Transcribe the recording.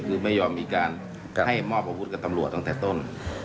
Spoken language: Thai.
คือไม่ยอมมีการให้มหกพบพุฒิ์กับธรรมหลวกตั้งแต่ต้น